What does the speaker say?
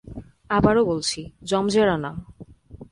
আবারো বলছি, জমজেরা না।